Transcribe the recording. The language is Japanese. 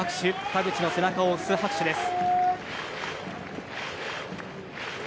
田口の背中を押す拍手です。